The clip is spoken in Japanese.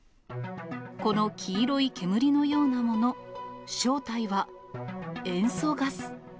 この黄色い煙のようなもの、正体は塩素ガス。